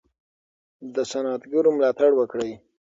د صنعتګرو ملاتړ وکړئ.